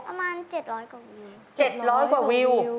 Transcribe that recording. ประมาณ๗๐๐กว่าวิวกว่าวิว๗๐๐กว่าวิว